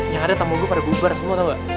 yang ada tamu gue pada bubar semua tau gak